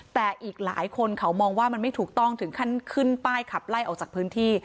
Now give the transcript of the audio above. แต่อีกหลายคนเขามองว่ามันไม่ถูกต้องถึงขั้นขึ้นป้ายขับไล่ออกจากพื้นที่